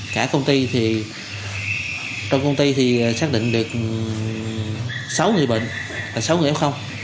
cả công ty thì trong công ty thì xác định được sáu người bệnh là sáu người